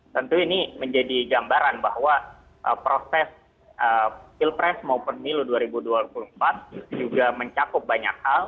tentu ini menjadi gambaran bahwa proses pilpres maupun milu dua ribu dua puluh empat juga mencakup banyak hal